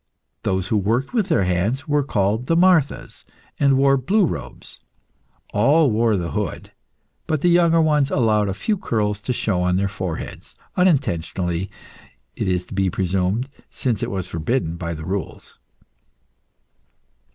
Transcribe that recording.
Those who worked with their hands were called the Marthas, and wore blue robes. All wore the hood, but the younger ones allowed a few curls to show on their foreheads unintentionally, it is to be presumed, since it was forbidden by the rules.